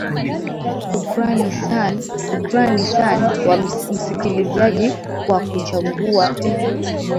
hukrani san msikilizaji kwa kuchangua kusikilija matangazo haya na tunaanza na taarifa ya habarii